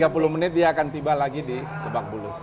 dan tiga puluh menit dia akan tiba lagi di kebakbulus